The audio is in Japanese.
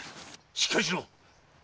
しっかりしろっ！